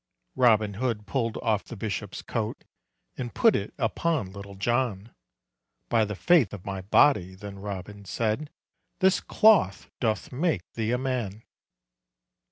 Robin Hood pull'd off the bishop's coat, And put it upon Little John; "By the faith of my body," then Robin said, "This cloth doth make thee a man."